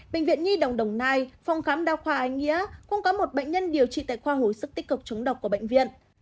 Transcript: bệnh viện nhi đồng đồng nai phòng khám đa khoa anh nghĩa cũng có một bệnh nhân điều trị tại khoa hồi sức tích cực chống độc của bệnh viện